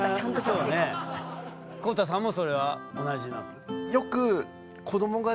公太さんもそれは同じなの？